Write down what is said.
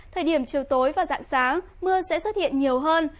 thời điểm chiều tối và dạng sáng mưa sẽ xuất hiện nhiều hơn